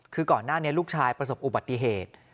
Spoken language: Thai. คือก่อนหน้านี้ลูกชายประสบอุบัติเหตุ